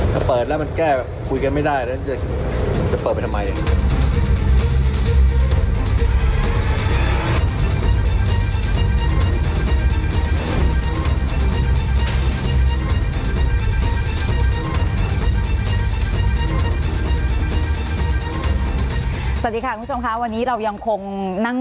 จะจะเปิดไปทำไมสวัสดีค่ะคุณชมคะวันนี้เรายังคงนั่ง